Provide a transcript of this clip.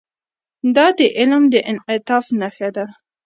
دا د علم د انعطاف نښه ده.